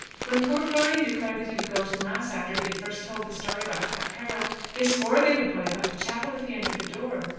When poor Florian declared that he would go to mass after he had first told the story about Pat Carroll, they swore they would boycott the chapel if he entered the door.